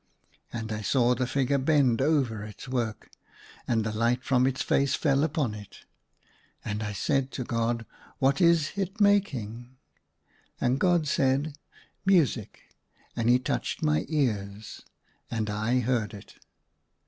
And I saw the ficrure bend over its work, and the light from its face fell upon it. And I said to God, "What is it making ?" And God said, " Music!" And he touched my ears, and I heard it.